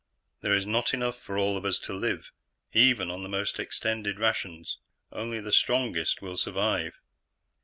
There is not enough for all of us to live, even on the most extended rations. Only the strongest will survive."